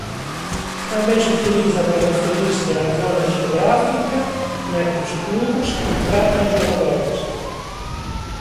Tamén se utiliza para referirse á zona xeográfica na que os clubs contratan xogadores.